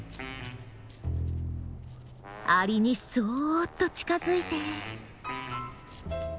アリにそっと近づいて。